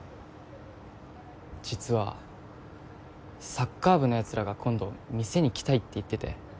実はサッカー部のやつらが今度店に来たいって言ってて。